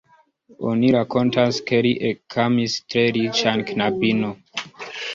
Oni rakontas, ke li ekamis tre riĉan knabinon.